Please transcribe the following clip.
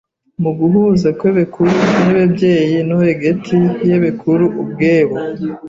mu guhuze kw’ebekuru n’ebebyeyi no hegeti y’ebekuru ubwebo.